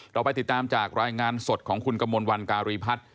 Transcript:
เราไปติดตามจากรายงานสดของคุณกมลวันการีพัฒน์